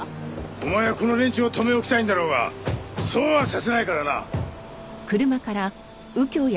お前はこの連中を留め置きたいんだろうがそうはさせないからな！